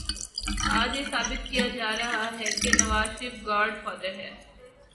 آج یہ ثابت کیا جا رہا ہے کہ نوازشریف گاڈ فادر ہے۔